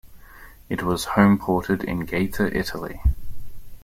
It was homeported in Gaeta, Italy.